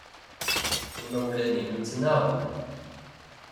Imawlan-inu ttnaɣen.